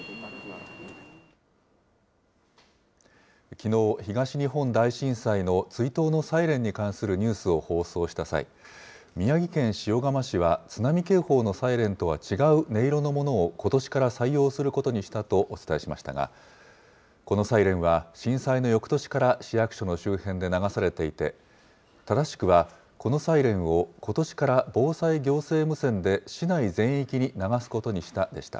きのう、東日本大震災の追悼のサイレンに関するニュースを放送した際、宮城県塩釜市は津波警報のサイレンとは違う音色のものをことしから採用することにしたとお伝えしましたが、このサイレンは震災のよくとしから市役所の周辺で流されていて、正しくはこのサイレンをことしから防災行政無線で市内全域に流すことにしたでした。